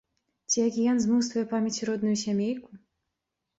Ці акіян змыў з тваёй памяці родную сямейку?